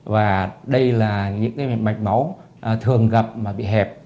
và đây là những mạch máu thường gặp mà bị hẹp